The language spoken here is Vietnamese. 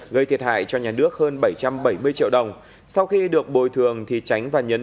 gây thiệt hại cho nhà nước hơn bảy trăm bảy mươi triệu đồng sau khi được bồi thường thì tránh và nhấn